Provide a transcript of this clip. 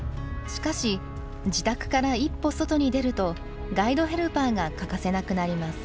しかし自宅から一歩外に出るとガイドヘルパーが欠かせなくなります。